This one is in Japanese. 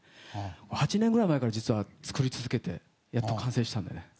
８年ぐらい前から実は作り続けてやっと完成して。